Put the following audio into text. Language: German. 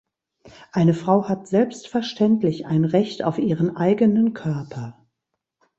Eine Frau hat selbstverständlich ein Recht auf ihren eigenen Körper.